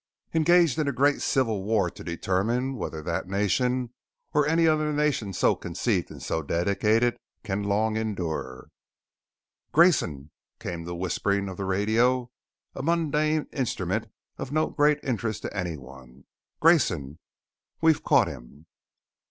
" engaged in a great civil war to determine whether That Nation or any other nation so conceived and so dedicated can long endure " "Grayson!" came the whispering of the radio a mundane instrument of no great interest to anyone "Grayson we've caught him."